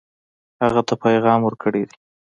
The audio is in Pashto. هغه ته پیغام ورکړی دی.